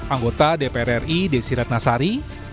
anggota dpr ri desirat nasari